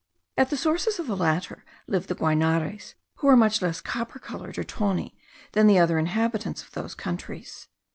At the sources of the latter live the Guainares, who are much less copper coloured, or tawny, than the other inhabitants of those countries.